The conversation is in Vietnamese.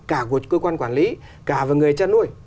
cả cơ quan quản lý cả người cha nuôi